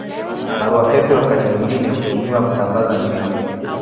Barua Pepe wakati mwingine hutumiwa kusambaza nywila.